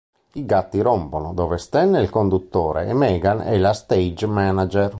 I gatti rompono, dove Stan è il conduttore e Meghan è lo "stage manager".